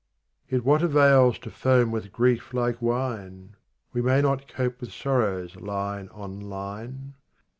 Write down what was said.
39 Yet what avails to foam with grief like wine ? We may not cope with sorrows line on line.